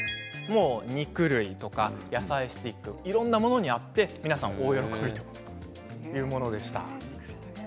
肉類とか野菜スティックに合って皆さん大喜びということでした。